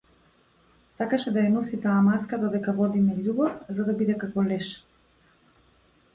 Сакаше да ја носи таа маска додека водиме љубов, за да биде како леш.